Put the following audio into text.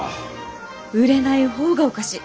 売れない方がおかしい。